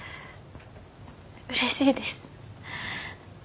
うれしいです。